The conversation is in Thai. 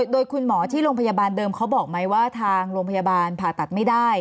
โดยคุณหมอที่โรงพยาบาลเดิมเขาบอกไหมว่าทางโรงพยาบาลผ่าตัดไม่ได้